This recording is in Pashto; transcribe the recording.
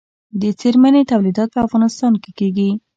د څرمنې تولیدات په افغانستان کې کیږي